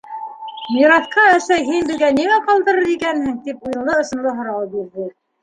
Мираҫҡа, әсәй, һин беҙгә нимә ҡалдырыр икәнһең? - тип уйынлы-ысынлы һорау бирҙе.